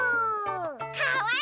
かわいい！